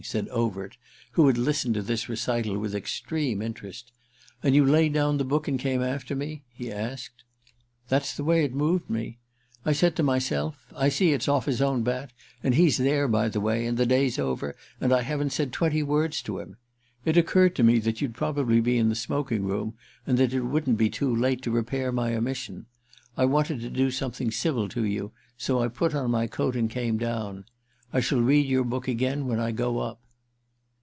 said Overt, who had listened to this recital with extreme interest. "And you laid down the book and came after me?" he asked. "That's the way it moved me. I said to myself 'I see it's off his own bat, and he's there, by the way, and the day's over and I haven't said twenty words to him.' It occurred to me that you'd probably be in the smoking room and that it wouldn't be too late to repair my omission. I wanted to do something civil to you, so I put on my coat and came down. I shall read your book again when I go up."